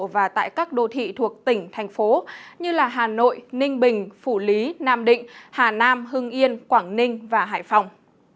và tại các đô thị thuộc tỉnh thành phố như hà nội ninh bình phủ lý nam định hà nam hưng yên quảng ninh và hải phòng